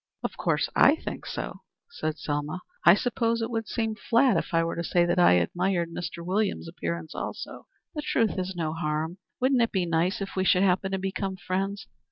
"Of course I think so," said Selma. "I suppose it would seem flat if I were to say that I admired Mr. Williams's appearance also." "The truth is no harm. Wouldn't it be nice if we should happen to become friends?